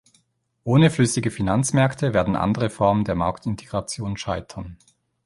Ohne flüssige Finanzmärkte werden andere Formen der Marktintegration scheitern.